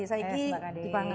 saya ini dipanggil